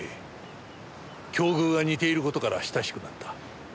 境遇が似ている事から親しくなった。